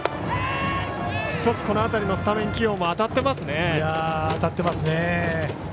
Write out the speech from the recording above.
１つ、この辺りのスタメン起用も当たっていますね。